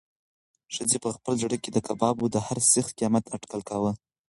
ښځې په خپل زړه کې د کبابو د هر سیخ قیمت اټکل کاوه.